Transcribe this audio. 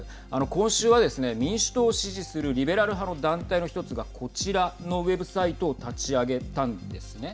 今週はですね民主党を支持するリベラル派の団体の１つがこちらのウェブサイトを立ち上げたんですね。